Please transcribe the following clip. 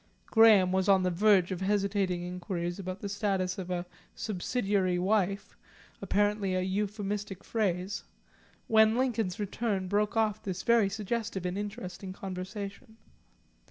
Graham was on the verge of hesitating inquiries about the status of a "subsidiary wife," apparently an euphemistic phrase, when Lincoln's return broke off this very suggestive and interesting conversation.